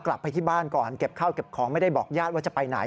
กลับไปที่บ้านก่อนเก็บข้าวเก็บของไม่ได้บอกญาติว่าจะไปไหน